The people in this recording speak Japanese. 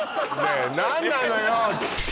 え何なのよ！